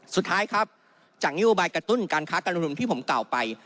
สุดท้ายครับจากนโยบายกระตุ้นการค้าการลงทุนที่ผมกล่าวไป